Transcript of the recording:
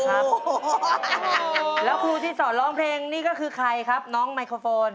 แล้วครูที่สอนร้องเพลงนี่ก็คือใครครับน้องไมโครโฟน